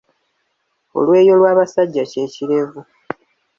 Olweyo lw’abasajja kye kirevu.